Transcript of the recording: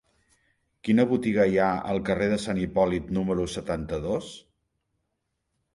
Quina botiga hi ha al carrer de Sant Hipòlit número setanta-dos?